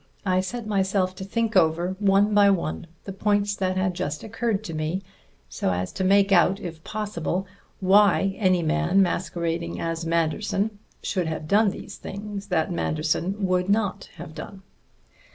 I set myself to think over, one by one, the points that had just occurred to me, so as to make out, if possible, why any man masquerading as Manderson should have done these things that Manderson would not have done.